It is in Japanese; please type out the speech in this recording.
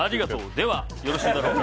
ではよろしいだろうか。